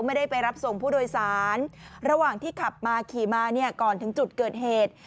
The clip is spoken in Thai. ไม่ได้ไปรับส่งผู้โดยสารระหว่างที่ขับมาขี่มาเนี่ยก่อนถึงจุดเกิดเหตุ